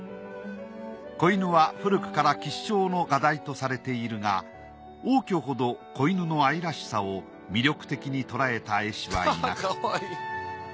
子犬は古くから吉祥の画題とされているが応挙ほど子犬の愛らしさを魅力的に捉えた絵師はいなかった。